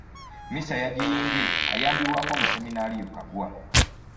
Mmisa yagiyimbye ayambibwako omuseminaliyo Kaggwa.